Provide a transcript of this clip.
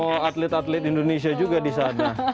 oh atlet atlet indonesia juga di sana